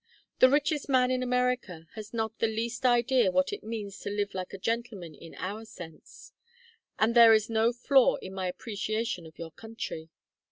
The richest man in America has not the least idea what it means to live like a gentleman in our sense. And there is no flaw in my appreciation of your country.